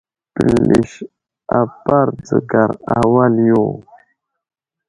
Pəlis apar dzəgar wal yo.